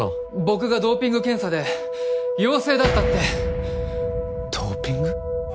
僕がドーピング検査で陽性だったってドーピング？